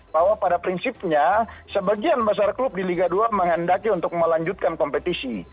bahwa pada prinsipnya sebagian besar klub di liga dua menghendaki untuk melanjutkan kompetisi